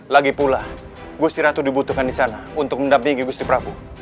lagi pula gusti ratu dibutuhkan di sana untuk mendampingi gusti prabu